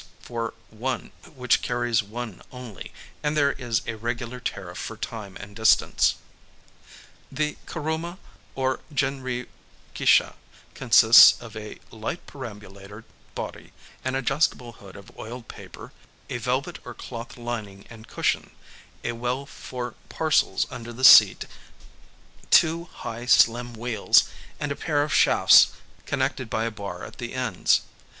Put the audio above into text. for one which carries one only, and there is a regular tariff for time and distance. [Picture: Travelling Restaurant] The kuruma, or jin ri ki sha, consists of a light perambulator body, an adjustable hood of oiled paper, a velvet or cloth lining and cushion, a well for parcels under the seat, two high slim wheels, and a pair of shafts connected by a bar at the ends.